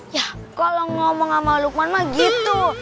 ya kalau ngomong sama lukman mah gitu